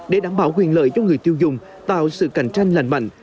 để đảm bảo quyền lợi cho người tiêu dùng tạo sự cạnh tranh lành mạnh